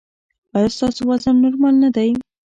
ایا ستاسو وزن نورمال نه دی؟